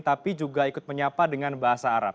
tapi juga ikut menyapa dengan bahasa arab